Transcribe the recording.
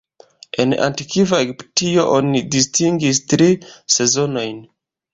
En antikva Egiptio, oni distingis tri sezonojn.